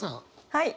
はい。